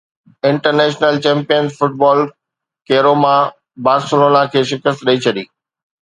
international champion football ڪپروما Barcelona کي شڪست ڏئي ڇڏي